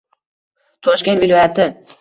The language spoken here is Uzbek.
Toshkent viloyati